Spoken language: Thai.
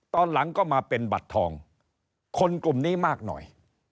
ตอนหลังก็มาเป็นบัตรทองคนกลุ่มนี้มากหน่อย